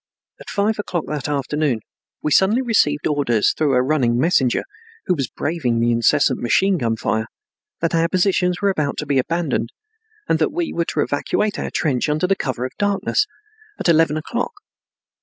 At five o'clock that afternoon we suddenly received orders through a running messenger, who was braving the incessant machine gun fire, that our positions were about to be abandoned and that we were to evacuate our trench under the cover of darkness, at eleven o'clock.